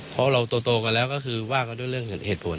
เพราะเราโตกันแล้วก็คือว่ากันด้วยเรื่องเหตุผล